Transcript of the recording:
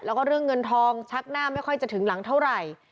แล้วก็เรื่องเงินทองชักหน้าไม่ค่อยจะถึงหลังเท่าไหร่